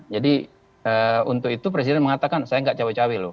jadi untuk itu presiden mengatakan saya tidak cawe cawe loh